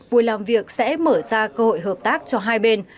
buổi làm việc sẽ mở ra cơ hội hợp tác cho hai bên